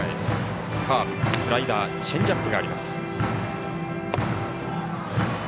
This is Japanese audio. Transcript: カーブ、スライダーチェンジアップがあります。